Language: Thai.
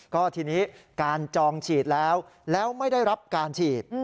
ก็ทีนี้การจองฉีดแล้วแล้วไม่ได้รับการฉีด